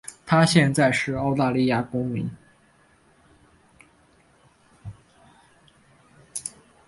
她现在是澳大利亚公民。